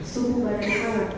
sungguh badan hangat